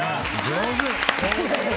上手！